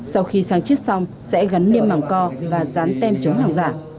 sau khi sang chiết xong sẽ gắn niêm mảng co và dán tem chống hàng giả